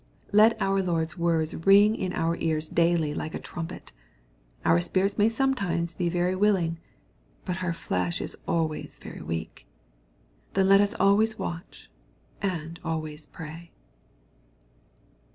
Let our Lord's words ring in our ears daily like a trumpet. Our spirits may sometimes be very willing. But our flesh is always very weak. Then let us always watch and always pray.